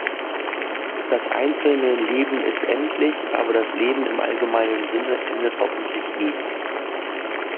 Das einzelne Leben ist endlich, aber das Leben im allgemeinen Sinne endet hoffentlich nie.